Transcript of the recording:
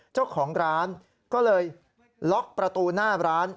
เจ้าของร้านก็เลยล็อกประตูหน้าร้าน